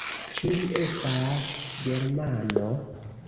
Ĉu li estas germano?